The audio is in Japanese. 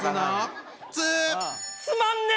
つまんねえ！